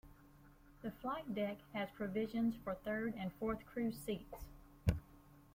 The flight deck has provisions for third and fourth crew seats.